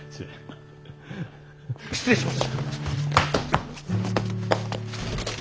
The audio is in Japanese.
失礼します。